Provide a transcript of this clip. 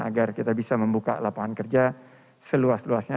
agar kita bisa membuka lapangan kerja seluas luasnya